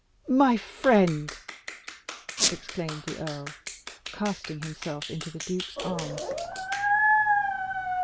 "My friend!" exclaimed the earl, casting himself into the duke's arms.